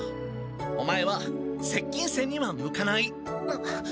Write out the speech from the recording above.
オマエは接近戦には向かない。